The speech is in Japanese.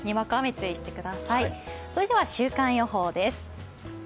それでは週間予報です。